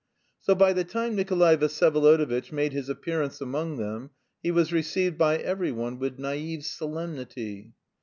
So by the time Nikolay Vsyevolodovitch made his appearance among them he was received by every one with naïve solemnity.